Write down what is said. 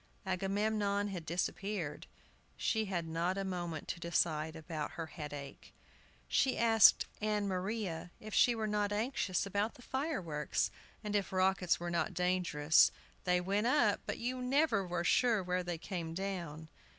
Agamemnon had disappeared. She had not a moment to decide about her headache. She asked Ann Maria if she were not anxious about the fireworks, and if rockets were not dangerous. They went up, but you were never sure where they came down.